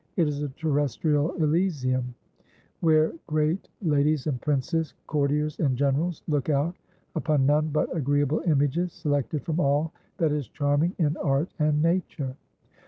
It is a terrestrial Elysium, where great ladies and princes, courtiers and generals, look out upon none but agreeable images, selected from all that is charming in art and nature.